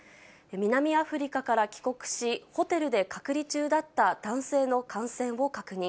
南アフリカから帰国し、ホテルで隔離中だった男性の感染を確認。